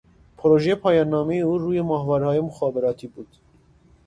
پروژه پایاننامهٔ او روی ماهوارههای مخابراتی بود